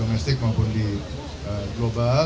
domestik maupun di global